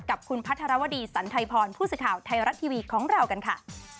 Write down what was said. กับคุณพัทรวดีสันไทยพรผู้สื่อข่าวไทยรัฐทีวีของเรากันค่ะ